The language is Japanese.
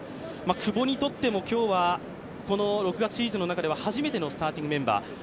久保にとっても今日はこの６月シリーズの中でも初めてのスターティングメンバー。